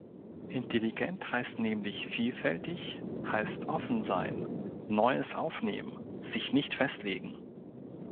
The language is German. Intelligent heißt nämlich vielfältig, heißt, offen sein, Neues aufnehmen, sich nicht festlegen.